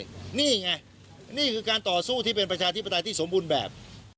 นี่ไงนี่คือการต่อสู้ที่เป็นประชาธิปไตยที่สมบูรณ์แบบ